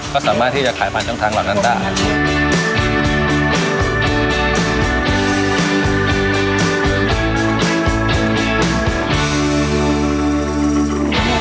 ก็สามารถที่จะขายผ่านช่องทางเหล่านั้นได้